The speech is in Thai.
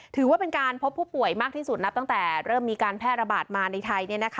ถือว่าเป็นการพบผู้ป่วยมากที่สุดนับตั้งแต่เริ่มมีการแพร่ระบาดมาในไทย